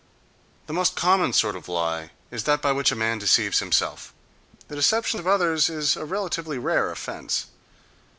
The most common sort of lie is that by which a man deceives himself: the deception of others is a relatively rare offence.